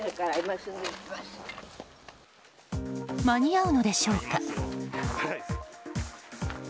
間に合うのでしょうか？